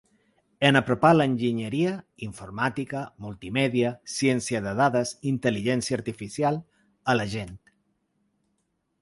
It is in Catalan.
En apropar l’enginyeria —informàtica, multimèdia, ciència de dades, intel·ligència artificial…— a la gent.